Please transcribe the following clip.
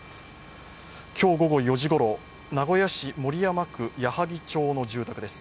今日午後４時ごろ、名古屋市守山区野萩町の住宅です。